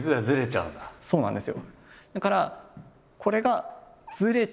そうなんですよ。